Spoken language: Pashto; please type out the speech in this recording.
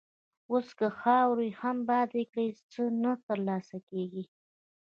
اوس که خاورې هم باد کړې، څه نه تر لاسه کېږي.